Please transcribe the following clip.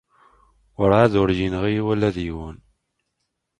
Werɛad ur iyi-yenɣi ula d yiwen.